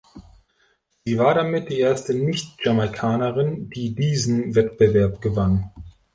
Sie war damit die erste nicht-Jamaikanerin, die diesen Wettbewerb gewann.